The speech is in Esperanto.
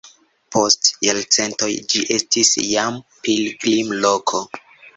Post jarcentoj ĝi estis jam pilgrimloko.